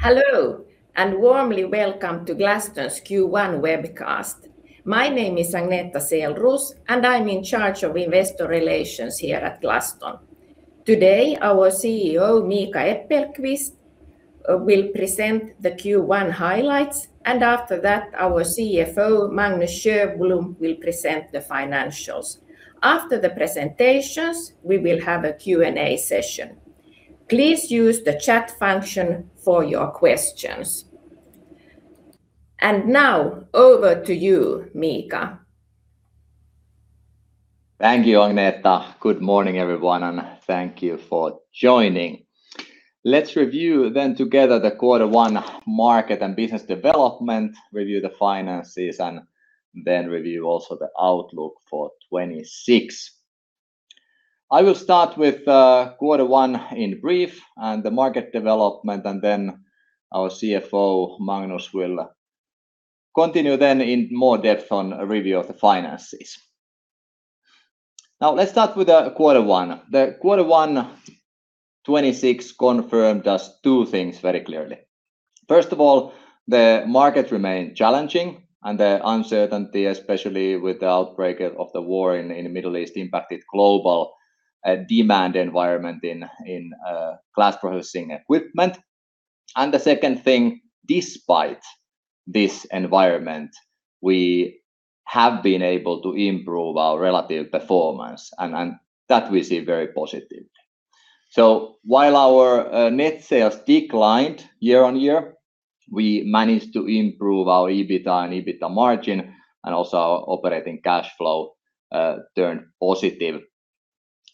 Hello, warmly welcome to Glaston's Q1 webcast. My name is Agneta Selroos, and I'm in charge of investor relations here at Glaston. Today, our CEO, Miika Äppelqvist, will present the Q1 highlights, and after that our CFO, Magnus Sjöblom, will present the financials. After the presentations, we will have a Q&A session. Please use the chat function for your questions. Now, over to you, Miika. Thank you, Agneta. Good morning, everyone, and thank you for joining. Let's review then together the quarter one market and business development, review the finances, and then review also the outlook for 2026. I will start with quarter one in brief and the market development, and then our CFO, Magnus, will continue then in more depth on a review of the finances. Let's start with quarter one. The quarter one 2026 confirmed us two things very clearly. First of all, the market remained challenging, and the uncertainty, especially with the outbreak of the war in the Middle East, impacted global demand environment in glass processing equipment. The second thing, despite this environment, we have been able to improve our relative performance, and that we see very positively. While our net sales declined year-on-year, we managed to improve our EBITDA and EBITDA margin, and also our operating cash flow turned positive.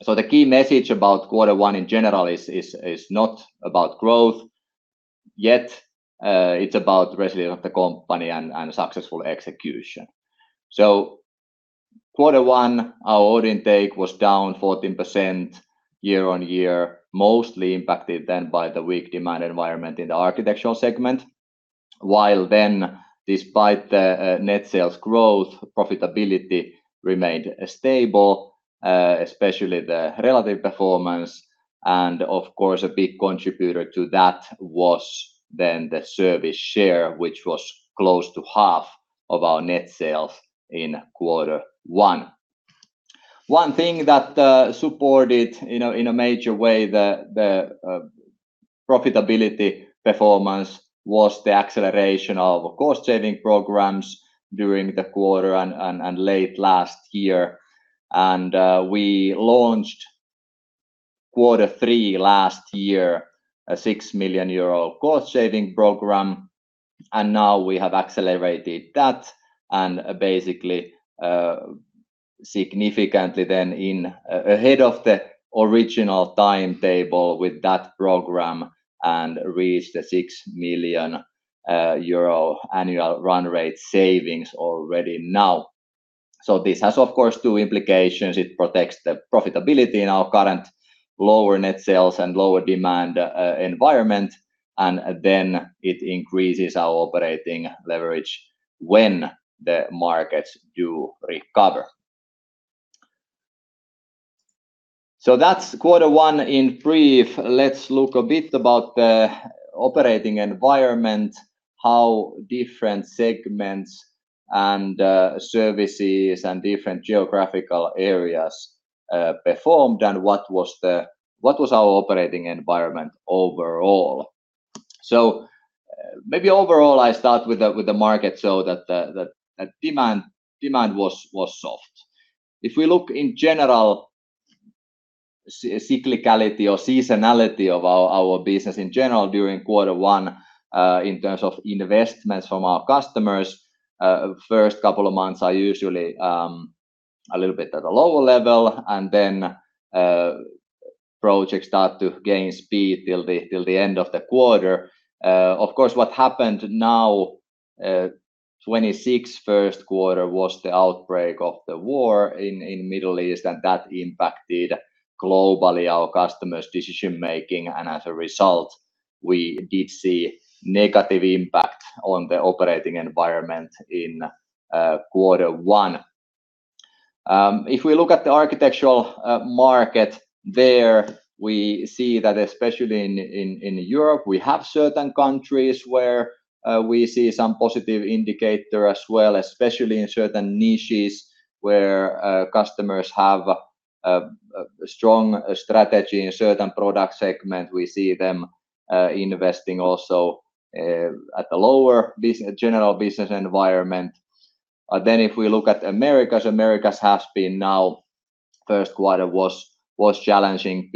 The key message about quarter one in general is not about growth yet. It's about the resilience of the company and successful execution. Quarter one, our order intake was down 14% year-on-year, mostly impacted then by the weak demand environment in the architectural segment. Despite the net sales growth, profitability remained stable, especially the relative performance. Of course, a big contributor to that was then the service share, which was close to half of our net sales in quarter one. One thing that, you know, supported in a major way the profitability performance was the acceleration of cost-saving programs during the quarter and late last year. We launched quarter three last year a 6 million euro cost-saving program, and now we have accelerated that and basically significantly then ahead of the original timetable with that program and reached the 6 million euro annual run rate savings already now. This has, of course, two implications. It protects the profitability in our current lower net sales and lower demand environment, and then it increases our operating leverage when the markets do recover. That's quarter one in brief. Let's look a bit about the operating environment, how different segments and services and different geographical areas performed, and what was our operating environment overall. Maybe overall, I start with the market that demand was soft. If we look in general cyclicality or seasonality of our business in general during quarter one, in terms of investments from our customers, first couple of months are usually a little bit at a lower level, and then projects start to gain speed till the end of the quarter. Of course, what happened now, 2026 first quarter, was the outbreak of the war in Middle East, and that impacted globally our customers' decision-making. As a result, we did see negative impact on the operating environment in quarter one. If we look at the architectural market, there we see that especially in Europe, we have certain countries where we see some positive indicator as well, especially in certain niches where customers have a strong strategy in certain product segment. We see them investing also at a lower general business environment. If we look at Americas, first quarter was challenging.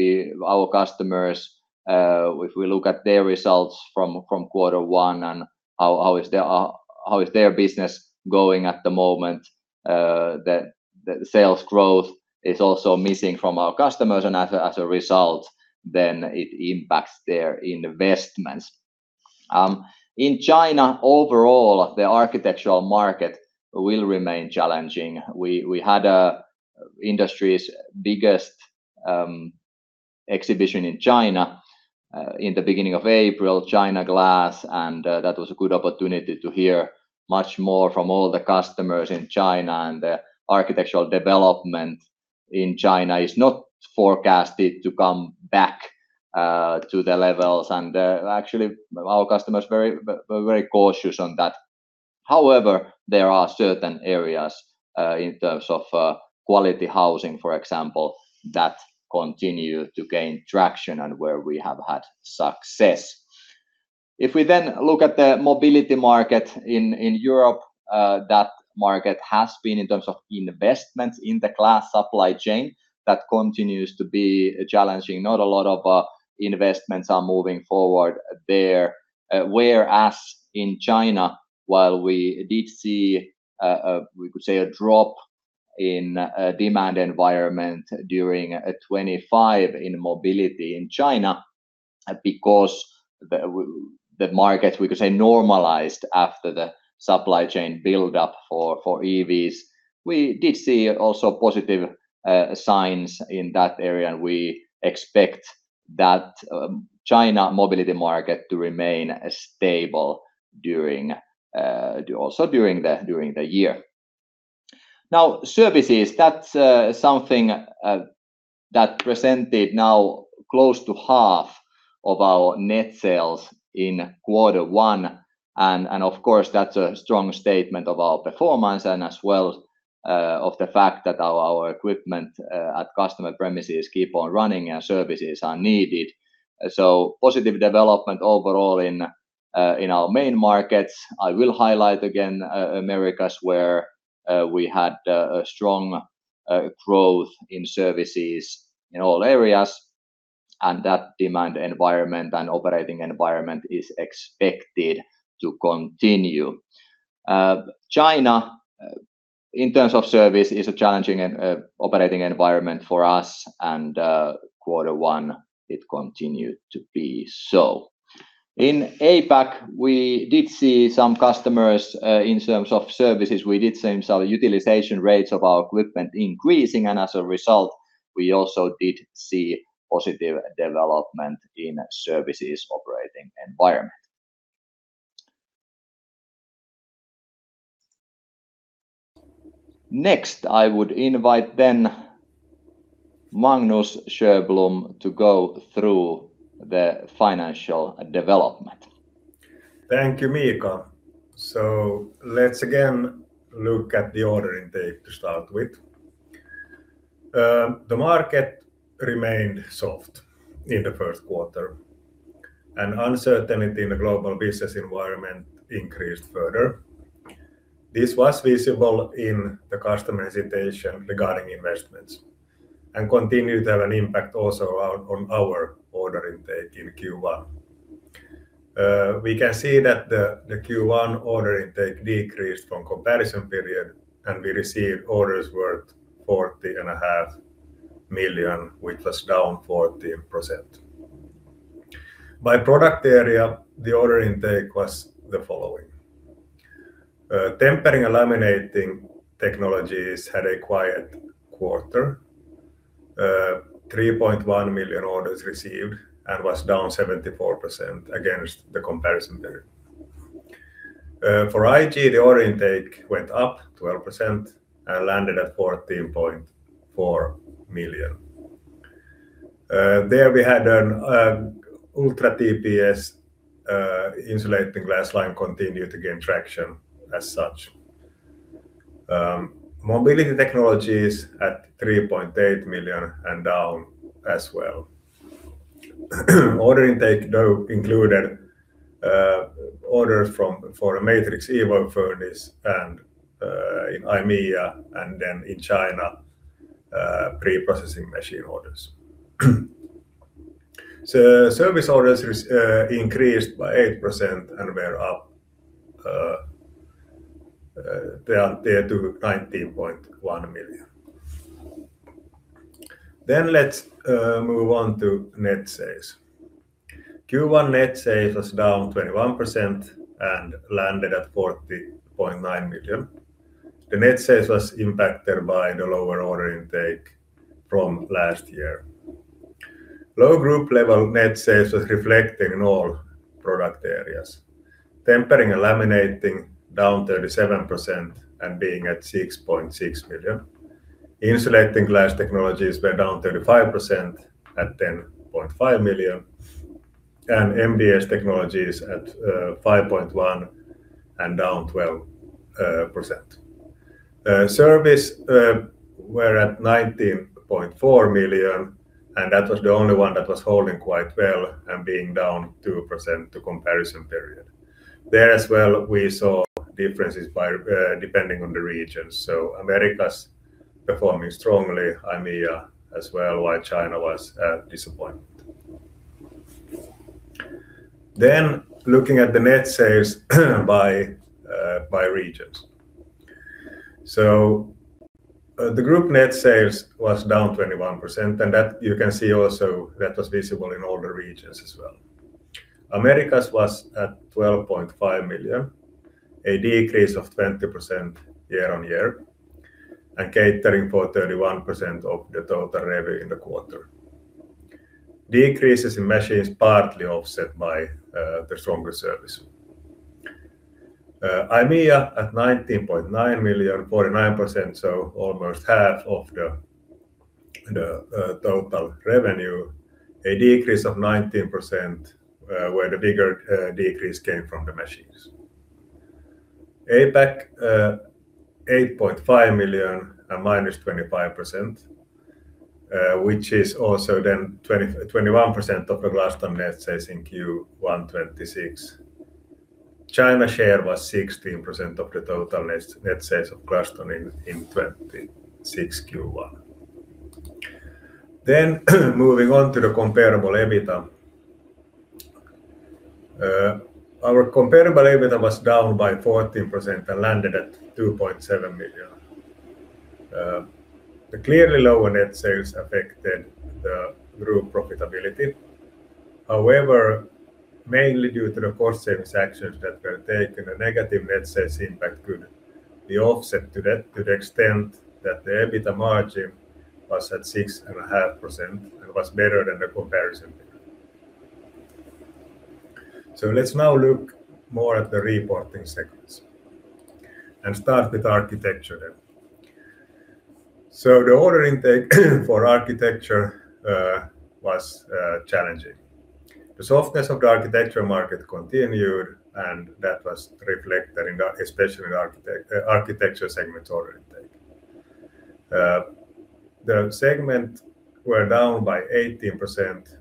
Our customers, if we look at their results from quarter one and how is their business going at the moment, the sales growth is also missing from our customers, and as a result, then it impacts their investments. In China, overall, the architectural market will remain challenging. We had an industry's biggest exhibition in China in the beginning of April, China Glass, that was a good opportunity to hear much more from all the customers in China and the architectural development in China is not forecasted to come back to the levels. Actually our customers are very, very cautious on that. However, there are certain areas in terms of quality housing, for example, that continue to gain traction and where we have had success. If we look at the mobility market in Europe, that market has been in terms of investments in the glass supply chain, that continues to be challenging. Not a lot of investments are moving forward there. Whereas in China, while we did see, we could say a drop in demand environment during 2025 in Mobility in China, because the market we could say normalized after the supply chain build-up for EVs. We did see also positive signs in that area. We expect that China Mobility market to remain stable also during the year. Services, that's something that presented now close to half of our net sales in quarter one. Of course, that's a strong statement of our performance and as well of the fact that our equipment at customer premises keep on running and services are needed. Positive development overall in our main markets. I will highlight again, Americas, where we had a strong growth in services in all areas, and that demand environment and operating environment is expected to continue. China, in terms of service is a challenging operating environment for us and quarter one, it continued to be so. In APAC, we did see some customers in terms of services. We did see some utilization rates of our equipment increasing, and as a result, we also did see positive development in services operating environment. Next, I would invite then Magnus Sjöblom to go through the financial development. Thank you, Miika. Let's again look at the order intake to start with. The market remained soft in the first quarter, and uncertainty in the global business environment increased further. This was visible in the customer hesitation regarding investments and continued to have an impact also on our order intake in Q1. We can see that the Q1 order intake decreased from comparison period, and we received orders worth 40.5 million, which was down 14%. By product area, the order intake was the following. Tempering and Laminating Technologies had a quiet quarter. 3.1 million orders received and was down 74% against the comparison period. For IG, the order intake went up 12% and landed at 14.4 million. There we had an ULTRA TPS insulating glass line continued to gain traction as such. Mobility technologies at 3.8 million and down as well. Order intake, though, included orders for a MATRIX EVO furnace in EMEA, and then in China, pre-processing machine orders. Service orders increased by 8% and were up there to 19.1 million. Let's move on to net sales. Q1 net sales was down 21% and landed at 40.9 million. The net sales was impacted by the lower order intake from last year. Low group level net sales was reflecting in all product areas. Tempering and laminating down 37% and being at 6.6 million. Insulating glass technologies were down 35% at 10.5 million. MDS technologies at 5.1 and down 12%. Service were at 19.4 million, and that was the only one that was holding quite well and being down 2% to comparison period. There as well, we saw differences by depending on the regions. Americas performing strongly, EMEA as well, while China was disappointment. Looking at the net sales by regions. The group net sales was down 21%, and that you can see also that was visible in all the regions as well. Americas was at 12.5 million, a decrease of 20% year-on-year and catering for 31% of the total revenue in the quarter. Decreases in machines partly offset by the stronger service. EMEA at 19.9 million, 49%, so almost half of the total revenue. A decrease of 19%, where the bigger decrease came from the machines. APAC, 8.5 million and -25%, which is also then 21% of the Glaston net sales in Q1 2026. China's share was 16% of the total net sales of Glaston in 2026 Q1. Moving on to the comparable EBITDA. Our comparable EBITDA was down by 14% and landed at 2.7 million. The clearly lower net sales affected the group profitability. However, mainly due to the cost-savings actions that were taken, a negative net sales impact could be offset to the extent that the EBITDA margin was at 6.5% and was better than the comparison period. Let's now look more at the reporting segments and start with architecture then. The order intake for architecture was challenging. The softness of the architecture market continued, and that was reflected especially in the architecture segment order intake. The segment were down by 18%,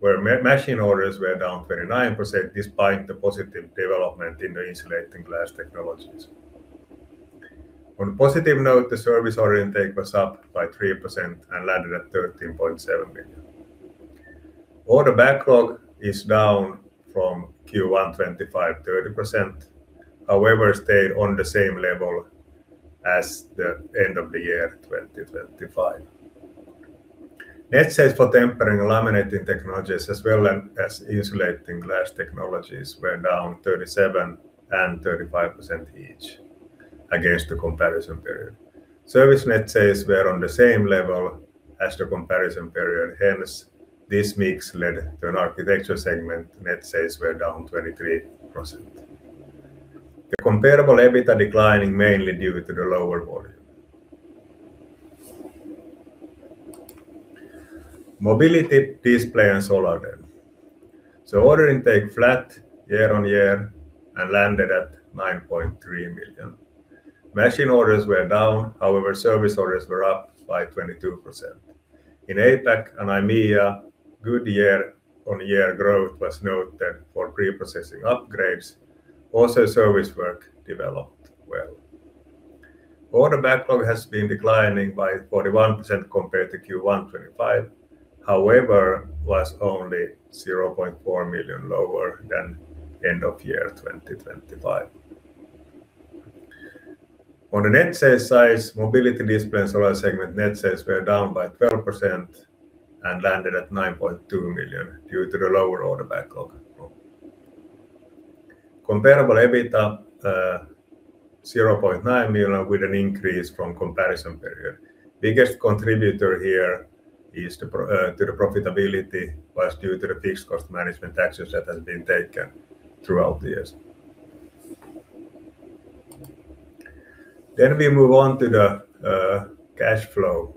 where machine orders were down 39% despite the positive development in the insulating glass technologies. On a positive note, the service order intake was up by 3% and landed at 13.7 million. Order backlog is down from Q1 2025, 30%. However, stayed on the same level as the end of the year 2025. Net sales for tempering and laminating technologies as well as insulating glass technologies were down 37% and 35% each against the comparison period. Service net sales were on the same level as the comparison period, hence this mix led to an architecture segment net sales were down 23%. The comparable EBITDA declining mainly due to the lower volume. Mobility, Display & Solar then. Order intake flat year-on-year and landed at 9.3 million. Machine orders were down. However, service orders were up by 22%. In APAC and EMEA, good year-on-year growth was noted for pre-processing upgrades. Also, service work developed well. Order backlog has been declining by 41% compared to Q1 2025. However, was only 0.4 million lower than end of year 2025. On a net sales size, Mobility, Display & Solar segment net sales were down by 12% and landed at 9.2 million due to the lower order backlog. Comparable EBITDA 0.9 million with an increase from comparison period. Biggest contributor here to the profitability was due to the fixed cost management actions that have been taken throughout the years. We move on to the cash flow.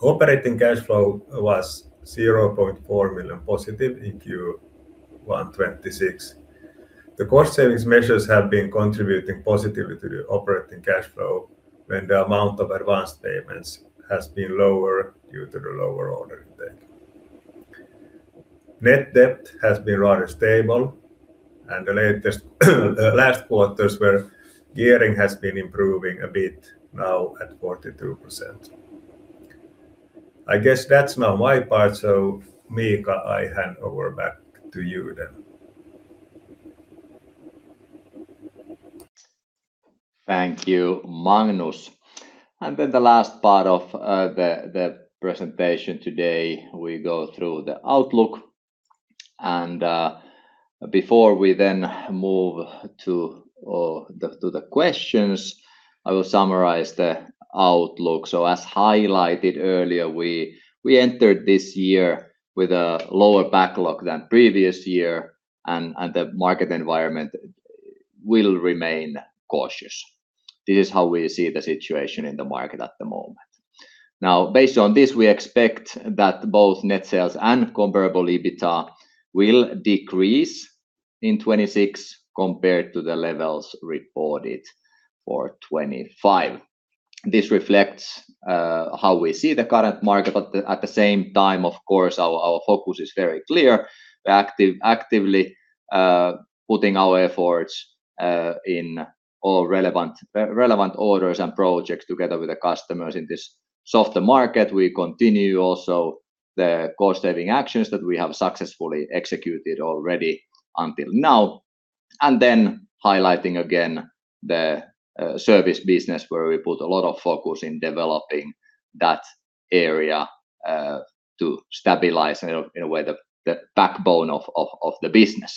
Operating cash flow was +0.4 million in Q1 2026. The cost savings measures have been contributing positively to the operating cash flow when the amount of advanced payments has been lower due to the lower order intake. Net debt has been rather stable, and the last quarters were gearing has been improving a bit, now at 42%. I guess that's now my part. Miika, I hand over back to you then. Thank you, Magnus. The last part of the presentation today, we go through the outlook. Before we then move to the questions, I will summarize the outlook. As highlighted earlier, we entered this year with a lower backlog than previous year and the market environment will remain cautious. This is how we see the situation in the market at the moment. Based on this, we expect that both net sales and comparable EBITDA will decrease in 2026 compared to the levels reported for 2025. This reflects how we see the current market. At the same time, of course, our focus is very clear. We're actively putting our efforts in all relevant orders and projects together with the customers in this softer market. We continue also the cost-saving actions that we have successfully executed already until now. Highlighting again the service business where we put a lot of focus in developing that area to stabilize, in a way, the backbone of the business.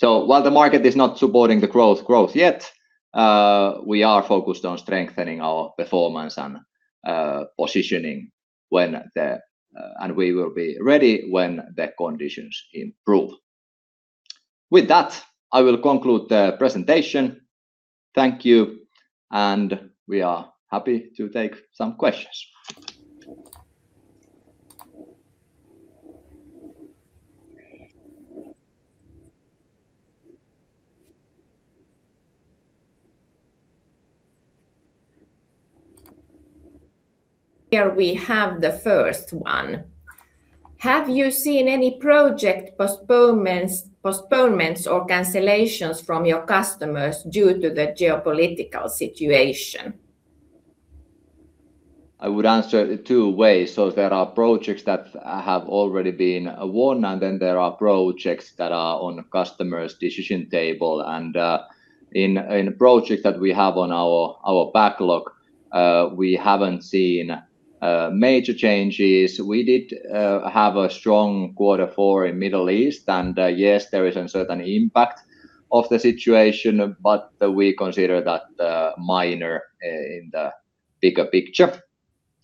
While the market is not supporting the growth yet, we are focused on strengthening our performance and positioning, and we will be ready when the conditions improve. With that, I will conclude the presentation. Thank you, and we are happy to take some questions. Here we have the first one. Have you seen any project postponements or cancellations from your customers due to the geopolitical situation? I would answer it two ways. There are projects that have already been won, and then there are projects that are on customers' decision table. In projects that we have on our backlog, we haven't seen major changes. We did have a strong quarter four in Middle East, and yes, there is a certain impact of the situation, but we consider that minor in the bigger picture.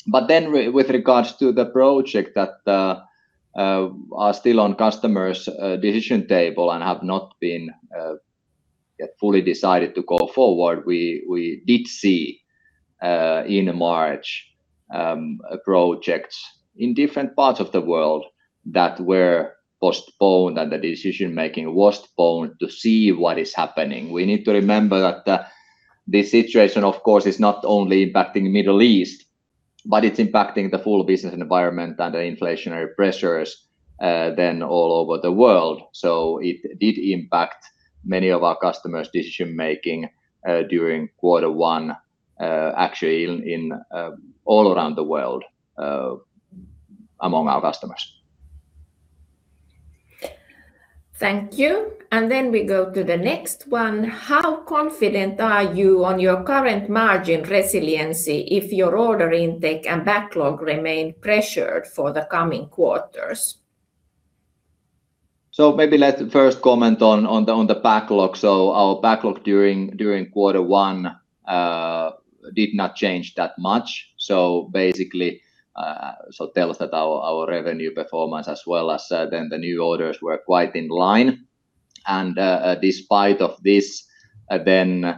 With regards to the project that are still on customers' decision table and have not been yet fully decided to go forward, we did see in March projects in different parts of the world that were postponed and the decision-making was postponed to see what is happening. We need to remember that the situation, of course, is not only impacting Middle East, but it's impacting the full business environment and the inflationary pressures all over the world. It did impact many of our customers' decision-making during quarter one, actually in, all around the world, among our customers. Thank you. We go to the next one. How confident are you on your current margin resiliency if your order intake and backlog remain pressured for the coming quarters? Maybe let's first comment on the backlog. Our backlog during quarter one did not change that much. It tells that our revenue performance as well as the new orders were quite in line. Despite of this, the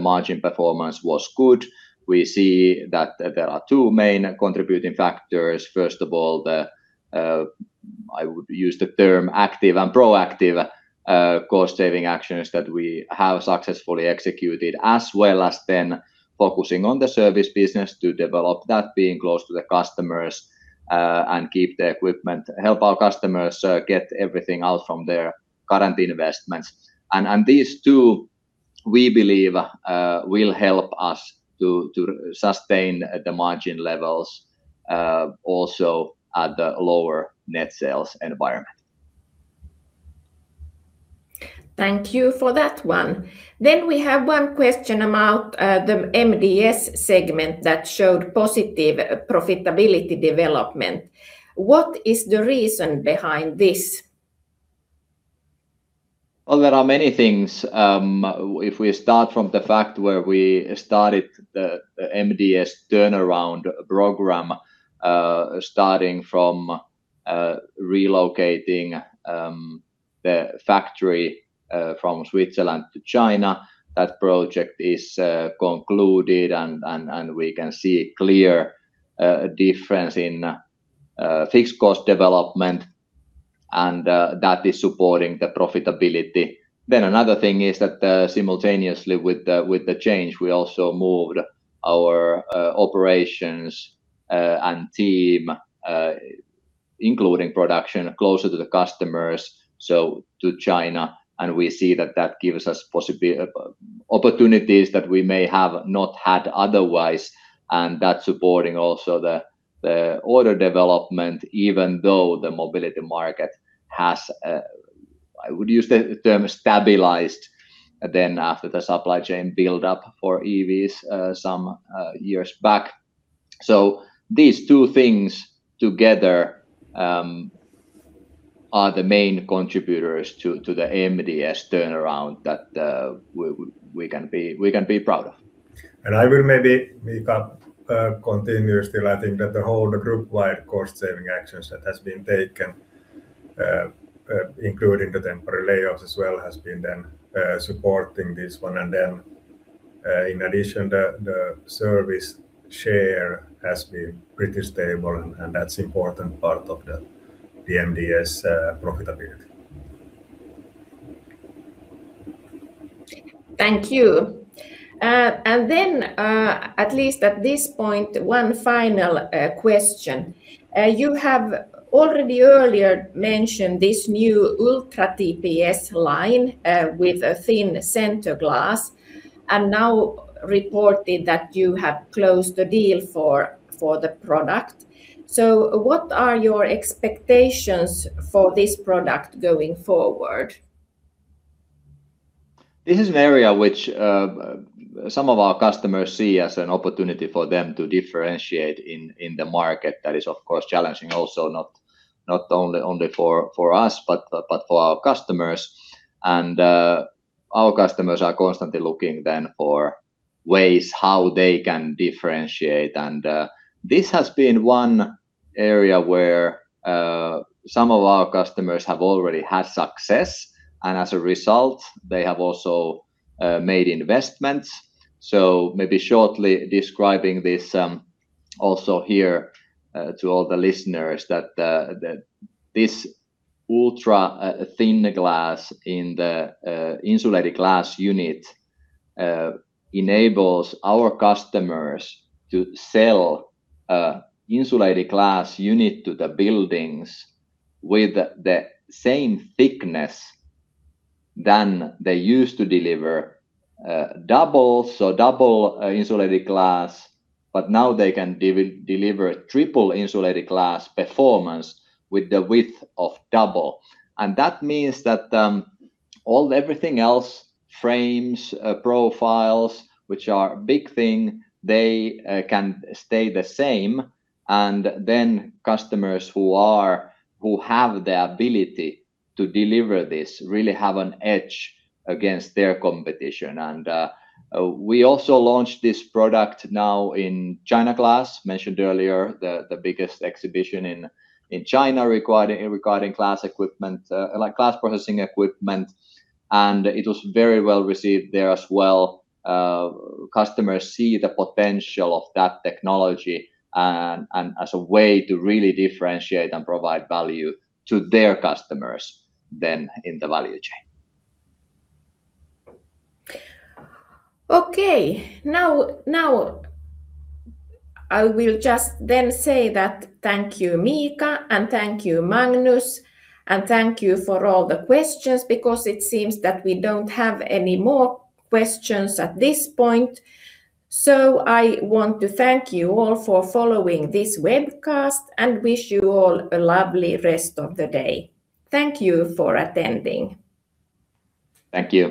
margin performance was good. We see that there are two main contributing factors. First of all the, I would use the term active and proactive cost-saving actions that we have successfully executed, as well as then focusing on the service business to develop that, being close to the customers, and keep the equipment, help our customers get everything out from their current investments. These two, we believe, will help us to sustain the margin levels also at the lower net sales environment. Thank you for that one. We have one question about the MDS segment that showed positive profitability development. What is the reason behind this? There are many things. If we start from the fact where we started the MDS turnaround program, starting from relocating the factory from Switzerland to China, that project is concluded and we can see clear difference in fixed cost development, and that is supporting the profitability. Another thing is that simultaneously with the change, we also moved our operations and team, including production, closer to the customers, so to China, and we see that that gives us opportunities that we may have not had otherwise, and that's supporting also the order development, even though the mobility market has, I would use the term stabilized after the supply chain build-up for EVs some years back. These two things together, are the main contributors to the MDS turnaround that we can be proud of. I will maybe, Miika, continue still. I think that the whole group-wide cost-saving actions that has been taken, including the temporary layoffs as well, has been then supporting this one. In addition, the service share has been pretty stable, and that's important part of the MDS profitability. Thank you. At least at this point, one final question. You have already earlier mentioned this new ULTRA TPS line, with a thin center glass, and now reported that you have closed the deal for the product. What are your expectations for this product going forward? This is an area which some of our customers see as an opportunity for them to differentiate in the market. That is, of course, challenging also, not only for us, but for our customers. Our customers are constantly looking then for ways how they can differentiate. This has been one area where some of our customers have already had success, and as a result, they have also made investments. Maybe shortly describing this, also here, to all the listeners that this ultra thin glass in the insulated glass unit enables our customers to sell a insulated glass unit to the buildings with the same thickness than they used to deliver double, so double insulated glass, but now they can deliver triple insulated glass performance with the width of double. That means that everything else, frames, profiles, which are a big thing, they can stay the same. Customers who have the ability to deliver this really have an edge against their competition. We also launched this product now in China Glass, mentioned earlier, the biggest exhibition in China regarding glass equipment, like glass processing equipment, and it was very well received there as well. Customers see the potential of that technology and as a way to really differentiate and provide value to their customers then in the value chain. Okay. I will just then say that thank you, Miika, and thank you, Magnus. Thank you for all the questions because it seems that we don't have any more questions at this point. I want to thank you all for following this webcast and wish you all a lovely rest of the day. Thank you for attending. Thank you.